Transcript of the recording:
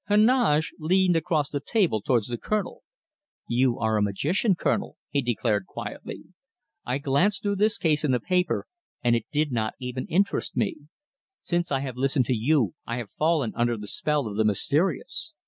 Heneage leaned across the table towards the Colonel. "You are a magician, Colonel," he declared quietly. "I glanced through this case in the paper, and it did not even interest me. Since I have listened to you I have fallen under the spell of the mysterious.